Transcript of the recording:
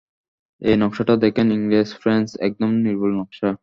এই নকশা টা দেখেন, ইংরেজ, ফ্রেঞ্চ, একদম নির্ভুল নকশা।